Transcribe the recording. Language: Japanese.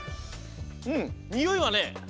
うんにおいはね